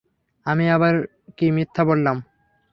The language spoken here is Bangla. আমি আবার কি মিথ্যা বললাম?